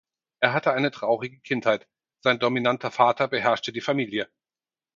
Er hatte eine traurige Kindheit, sein dominanter Vater beherrschte die Familie.